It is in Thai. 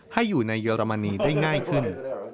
ให้อยู่ในเยอรมนีได้ง่ายขึ้น